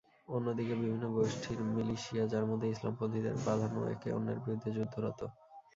অন্যদিকে, বিভিন্ন গোষ্ঠীর মিলিশিয়া, যার মধ্যে ইসলামপন্থীদেরই প্রাধান্য, একে অন্যের বিরুদ্ধে যুদ্ধরত।